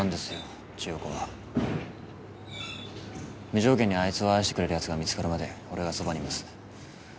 無条件にあいつを愛してくれるやつが見つかるまで俺がそばにいます。